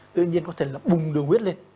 tự nhiên có thể là bùng đường huyết lên